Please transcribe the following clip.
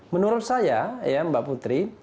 menurut saya ya mbak putri